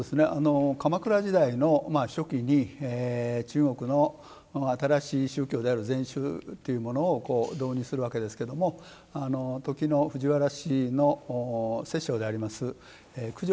鎌倉時代の初期に中国の新しい宗教である禅宗というものを導入するわけですけれども時の藤原氏の摂政であります九条